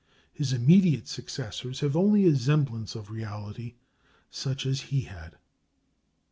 ] His immediate successors have only a semblance of reality, such as he had.